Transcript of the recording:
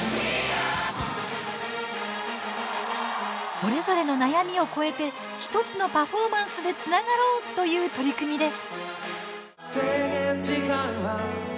それぞれの悩みを超えて１つのパフォーマンスでつながろう！という取り組みです。